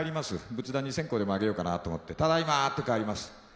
仏壇に線香でもあげようかなと思って「ただいま」って帰ります。